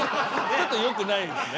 ちょっとよくないですね。